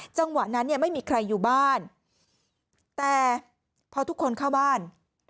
จังหวะนั้นเนี่ยไม่มีใครอยู่บ้านแต่พอทุกคนเข้าบ้าน